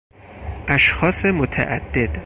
اشخاص متعدد